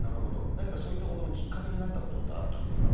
何かそういったことのきっかけになったことってあったんですか。